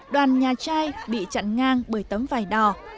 đoàn nhà trai bị chặn ngang bởi tấm vải đỏ